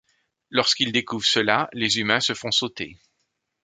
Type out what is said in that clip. Lorsqu'ils découvrent cela, les humains se font sauter.